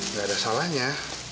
gak ada salahnya